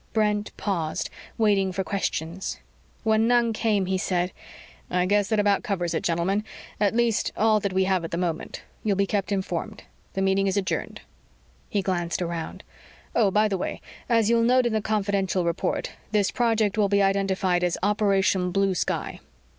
Brent paused, waiting for questions. When none came, he said, "I guess that about covers it, gentlemen at least, all that we have at the moment. You'll be kept informed. The meeting is adjourned." He glanced around. "Oh, by the way, as you'll note in the confidential report, this project will be identified as 'Operation Blue Sky.'"